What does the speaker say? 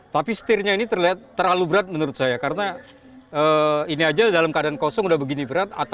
tapi setirnya ini terlihat terlalu berat menurut saya karena ini aja dalam keadaan kosong udah begini berat